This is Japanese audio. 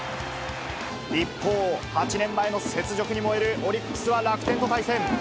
一方、８年前の雪辱に燃えるオリックスは、楽天と対戦。